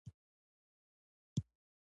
دا ودانۍ کوم جومات نه دی.